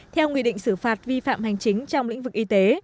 theo nghị định xử phạt vi phạm hành chính trong lĩnh vực y tế